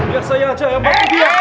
biasanya aja yang makan dia